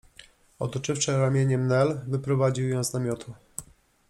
Otoczywszy ramieniem Nel, wyprowadził ją z namiotu.